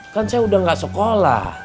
kan saya udah gak sekolah